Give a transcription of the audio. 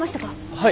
はい。